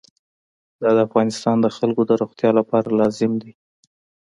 دا د افغانستان د خلکو د روغتیا لپاره لازم دی.